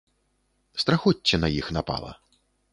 Страхоцце на іх напала.